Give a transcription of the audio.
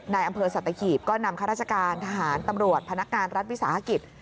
ในอำเภอสัตหีบก็นำข้าราชการทหารตำรวจพนักงานรัฐวิสาหกิจ